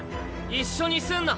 一緒にすんな。